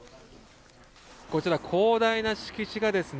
こちら、広大な敷地がですね